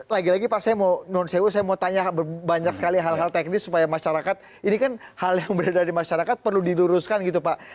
lagi lagi pak saya mau non sewo saya mau tanya banyak sekali hal hal teknis supaya masyarakat ini kan hal yang berada di masyarakat perlu diluruskan gitu pak